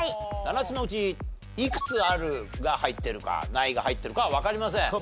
７つのうちいくつ「ある」が入ってるか「ない」が入ってるかはわかりません。